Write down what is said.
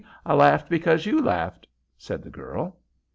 I laughed because you laughed," said the girl.